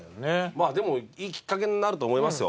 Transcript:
まあでもいいきっかけになると思いますよ。